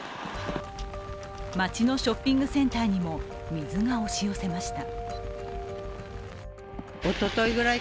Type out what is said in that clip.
町のショッピングセンターにも水が押し寄せました。